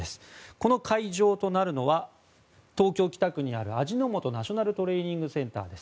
この会場となるのは東京・北区にある味の素ナショナルトレーニングセンターです。